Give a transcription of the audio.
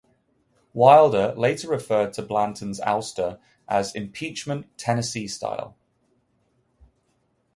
Wilder later referred to Blanton's ouster as impeachment Tennessee-style.